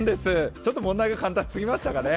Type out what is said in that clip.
ちょっと問題が簡単すぎましたかね。